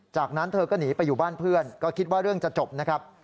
จากนั้นเธอก็หนีไปอยู่บ้านเพื่อนก็คิดว่าเรื่องจะจบนะครับ